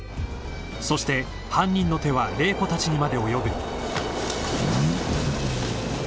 ［そして犯人の手は麗子たちにまで及ぶ］